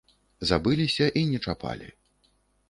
Забыліся і не чапалі.